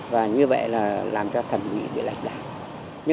và như vậy là làm cho thẩm mỹ bị lạch đạt